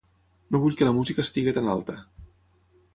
No vull que la música estigui tan alta.